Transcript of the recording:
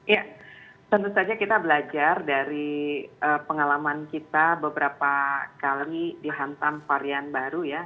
ya tentu saja kita belajar dari pengalaman kita beberapa kali dihantam varian baru ya